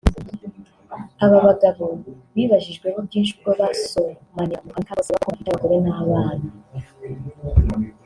Aba bagabo bibajijweho byinshi ubwo basomaniraga mu ruhame kandi bose bavugwaho ko bafite abagore n’abana